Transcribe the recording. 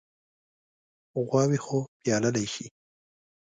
غواوې خو پيايلی شي.